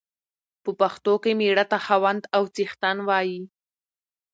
په پښتو کې مېړه ته خاوند او څښتن وايي.